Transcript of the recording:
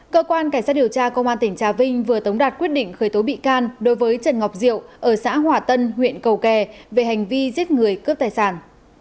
cơ quan cảnh sát điều tra công an tỉnh trà vinh vừa tống đạt quyết định khởi tố bị can đối với trần ngọc diệu ở xã hòa tân huyện cầu kè về hành vi giết người cướp tài sản